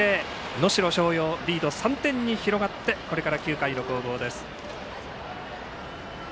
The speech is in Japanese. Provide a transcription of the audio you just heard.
能代松陽のリードは３点に広がって９回の攻防です。